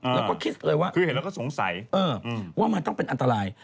แล้วก็คิดเลยว่าคือเห็นแล้วก็สงสัยว่ามันต้องเป็นอันตราย